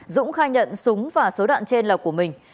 dũng khai nhận súng và số đạn trên là của mình